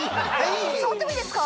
触ってもいいですか？